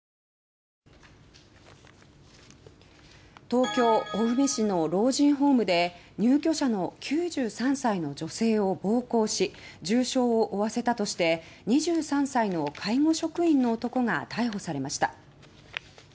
東京・青梅市の老人ホームで入居者の９３歳の女性を暴行し重傷を負わせたとして２３歳の介護職員の男が逮捕されました。